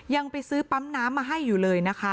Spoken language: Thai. ยังไปซื้อปั๊มน้ำมาให้อยู่เลยนะคะ